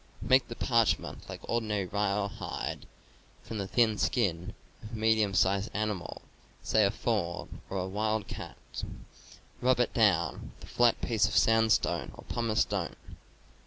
Make the parchment like ordinary rawhide, from the thin skin of a medium sized animal, say a fawn or a wildcat. Rub it down with a flat piece of sandstone or pumice stone.